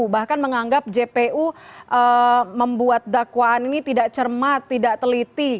bahkan menganggap jpu membuat dakwaan ini tidak cermat tidak teliti